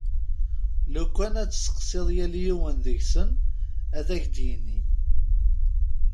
Lukan ad tesseqsiḍ yal yiwen deg-sen ad ak-d-yini.